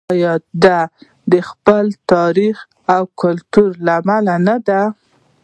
آیا د خپل تاریخ او کلتور له امله نه دی؟